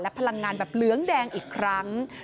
พลังงานแบบเหลืองแดงอีกครั้ง